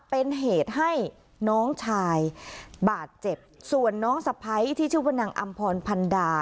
เป็นเหตุให้น้องชายบาดเจ็บส่วนน้องสะพ้ายที่ชื่อว่านางอำพรพันดา